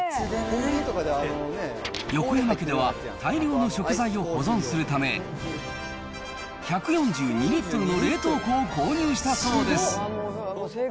横山家では大量の食材を保存するため、１４２リットルの冷凍庫を購入したそうです。